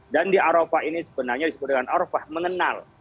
dan di arafah ini sebenarnya disebut dengan arafah mengenal